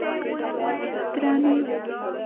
درېنۍ